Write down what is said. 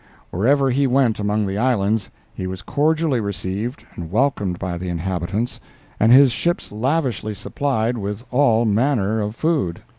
Wherever he went among the islands he was cordially received and welcomed by the inhabitants, and his ships lavishly supplied with all manner of food.